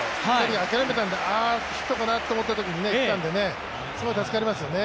諦めたんでああ、ヒットかなと思っていたんですごい助かりますよね。